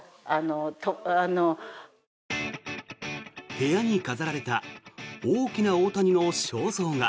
部屋に飾られた大きな大谷の肖像画。